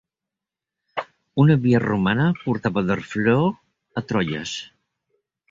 Una via romana portava d'Harfleur a Troyes.